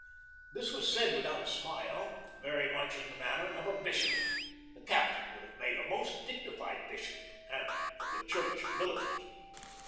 This was said without a smile, very much in the manner of a bishop. The captain would have made a most dignified bishop and of the church militant.